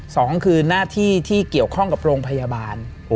สองคือหน้าที่ที่เกี่ยวข้องกับโรงพยาบาล